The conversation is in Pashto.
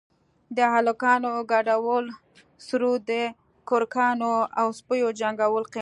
د هلکانو گډول سروذ د کرکانو او سپيو جنگول قمار.